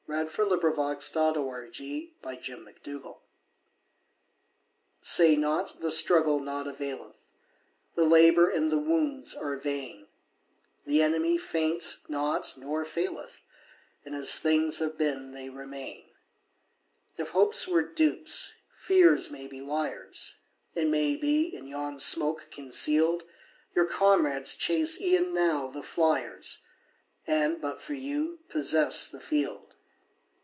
Say Not the Struggle Naught Availeth SAY not the struggle naught availeth, The labour and the wounds are vain, The enemy faints not, nor faileth, And as things have been they remain. If hopes were dupes, fears may be liars; It may be, in yon smoke conceal'd, Your comrades chase e'en now the fliers, And, but for you, possess the field.